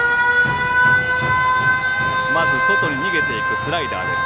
まず外に逃げていくスライダーです。